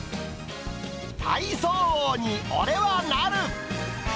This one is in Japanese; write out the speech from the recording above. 体操王に俺はなる！